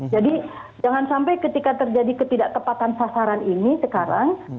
jadi jangan sampai ketika terjadi ketidak tepatan sasaran ini sekarang